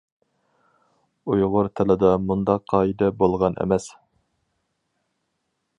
ئۇيغۇر تىلىدا مۇنداق قائىدە بولغان ئەمەس.